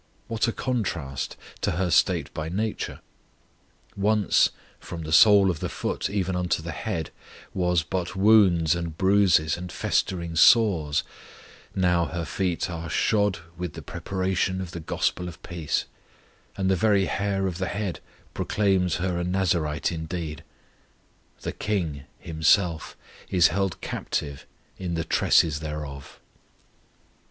What a contrast to her state by nature! Once "from the sole of the foot even unto the head" was "but wounds, and bruises, and festering sores"; now her feet are "shod with the preparation of the Gospel of peace," and the very hair of the head proclaims her a Nazarite indeed; "the KING" Himself "is held captive in the tresses thereof."